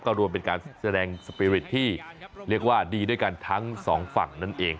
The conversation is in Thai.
ก็รวมเป็นการแสดงสปีริตที่เรียกว่าดีด้วยกันทั้งสองฝั่งนั่นเอง